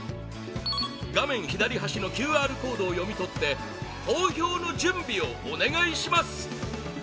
画面左端のＱＲコードを読み取って投票の準備をお願いします！